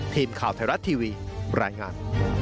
ทีมข่าวไทยรัฐทีวีรายงาน